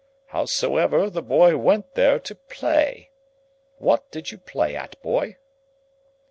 Howsever, the boy went there to play. What did you play at, boy?"